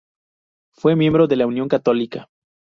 Fue miembro de la Unión Católica.